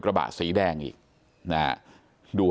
สวัสดีครับทุกคน